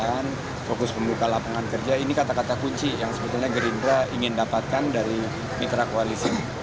ini tugas langsung dari pak prabowo dan gerindra untuk menjalin wali